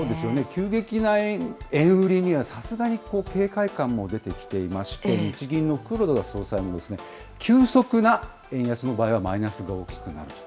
急激な円売りにはさすがに警戒感も出てきていまして、日銀の黒田総裁も、急速な円安の場合はマイナスが大きくなると。